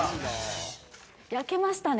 焼けましたね。